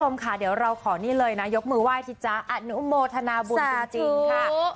คุณผู้ชมค่ะเดี๋ยวเราขอนี่เลยนะยกมือไหว้ที่จ๊ะอนุโมทนาบุญจริงค่ะ